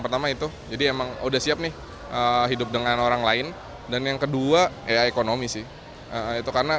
pertama itu jadi emang udah siap nih hidup dengan orang lain dan yang kedua ya ekonomi sih itu karena